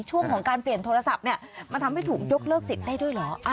ช่วงของการเปลี่ยนโทรศัพท์เนี่ยมันทำให้ถูกยกเลิกสิทธิ์ได้ด้วยเหรอ